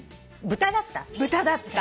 豚だった？